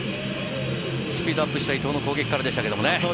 スピードアップした伊東の攻撃からでしたけどね。